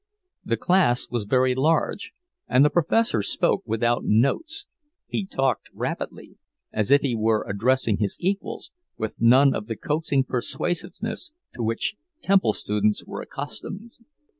The class was very large, and the Professor spoke without notes, he talked rapidly, as if he were addressing his equals, with none of the coaxing persuasiveness to which Temple students were accustomed.